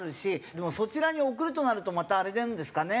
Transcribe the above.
でもそちらに送るとなるとまたあれなんですかね？